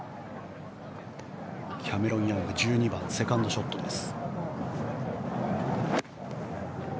キャメロン・ヤング１２番、セカンドショットです。